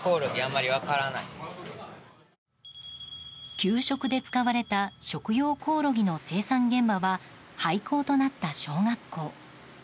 給食で使われた食用コオロギの生産現場は廃校となった小学校。